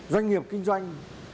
doanh nghiệp kinh doanh